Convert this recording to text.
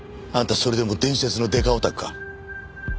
あんたそれでも伝説のデカオタクか？